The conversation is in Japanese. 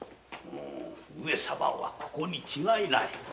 上様はここに違いない。